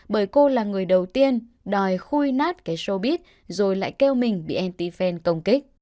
bởi cô là người đầu tiên đòi khui nát cái showbiz rồi lại kêu mình bị anti fan công kích